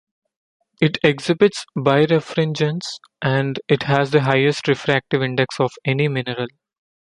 It exhibits birefringence, and it has the highest refractive index of any mineral.